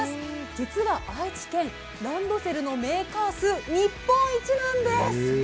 実は愛知県、ランドセルのメーカー数、日本一なんです。